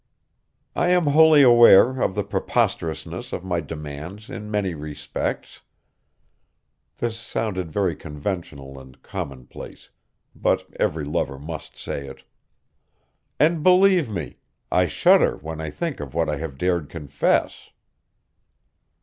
I am wholly aware of the preposterousness of my demands in many respects" this sounded very conventional and commonplace, but every lover must say it "and, believe me, I shudder when I think of what I have dared confess."